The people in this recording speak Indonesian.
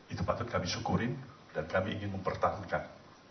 itu patut kami syukurin dan kami ingin mempertahankan